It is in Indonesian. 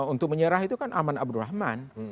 untuk menyerah itu kan aman abdurrahman